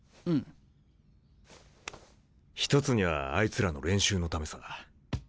一つにはあいつらの練習のためさ。